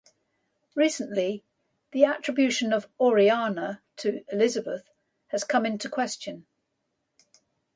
Recently, the attribution of "Oriana" to Elizabeth has come into question.